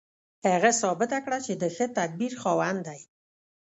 هغه ثابته کړه چې د ښه تدبیر خاوند دی